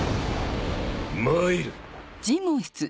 まいる！